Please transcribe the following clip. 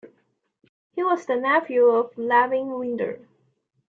He was the nephew of Levin Winder.